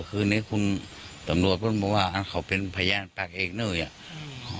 แต่คือสำรวจก็ไม่บอกว่าผมเป็นพระยาจพระเอกนึก